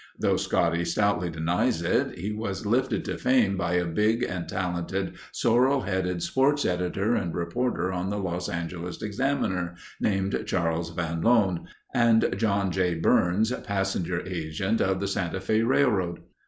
Though Scotty stoutly denies it, he was lifted to fame by a big and talented sorrel headed sports editor and reporter on the Los Angeles Examiner, named Charles Van Loan, and John J. Byrnes, passenger agent of the Santa Fe railroad.